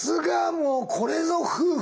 もうこれぞ夫婦！